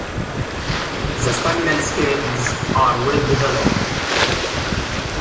The staminal scales are well developed.